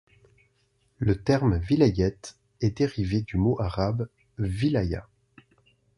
Le terme vilayet est dérivé du mot arabe Wilaya.